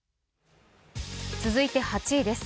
続いて８位です。